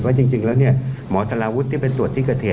ว่าจริงแล้วหมอธาราวุธที่เป็นตรวจที่กระเทศ